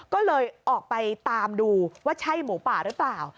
ก็เลยออกไปตามดูว่าใช่หมูป่าหรือเปล่า